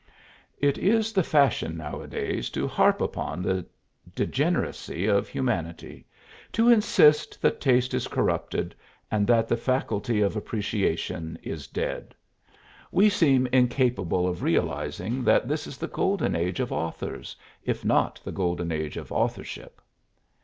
It is the fashion nowadays to harp upon the degeneracy of humanity; to insist that taste is corrupted, and that the faculty of appreciation is dead. We seem incapable of realizing that this is the golden age of authors, if not the golden age of authorship.